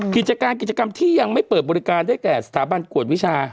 กิจการกิจกรรมที่ยังไม่เปิดบริการได้แก่สถาบันกวดวิชา